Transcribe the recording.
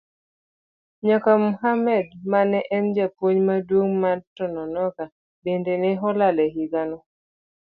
Nyaka Mohammad mane en japuonj maduong' mar Tononoka bende ne olal e higano.